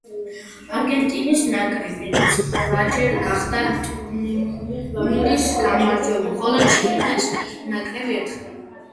არგენტინის ნაკრები ცხრაჯერ გახდა ტურნირის გამარჯვებული, ხოლო ჩილეს ნაკრები ერთხელ.